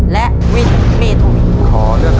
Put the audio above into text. และวินเมทุน